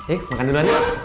eh makan dulu aja